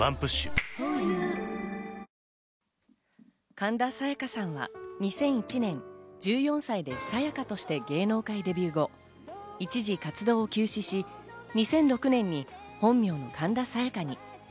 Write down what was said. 神田沙也加さんは２００１年、１４歳でＳＡＹＡＫＡとして芸能界デビュー後、一時活動を休止し、２００６年に本名の神田沙也加に。